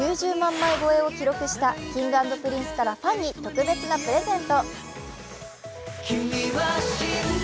枚超えを記録したＫｉｎｇ＆Ｐｒｉｎｃｅからファンに特別なプレゼント。